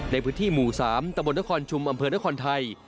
ในพื้นที่หมู่๓ตะบนนครชุมอำเภอนครไทย